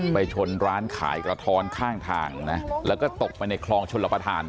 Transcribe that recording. ไปชนร้านขายกระท้อนข้างทางนะแล้วก็ตกไปในคลองชลประธาน